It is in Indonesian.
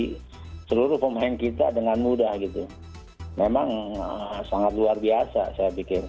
jadi seluruh pemain kita dengan mudah gitu memang sangat luar biasa saya pikir